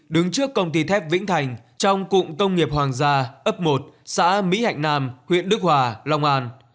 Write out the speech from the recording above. đứng trước công ty thép vĩnh thành trong cụm công nghiệp hoàng gia ấp một xã mỹ hạnh nam huyện đức hòa long an